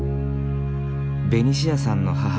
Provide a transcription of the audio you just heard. ベニシアさんの母